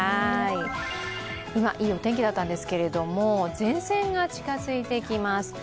今、いいお天気だったんですけれども、前線が近づいてきます。